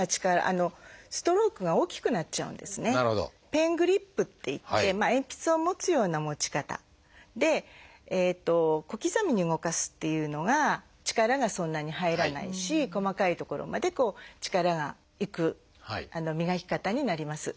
ペングリップっていって鉛筆を持つような持ち方で小刻みに動かすっていうのが力がそんなに入らないし細かい所まで力がいく磨き方になります。